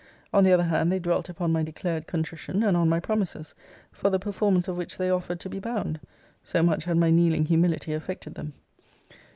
On the other hand they dwelt upon my declared contrition, and on my promises; for the performance of which they offered to be bound. So much had my kneeling humility affected them.